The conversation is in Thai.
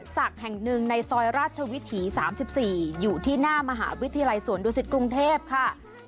สักให้ฟรีนะคะ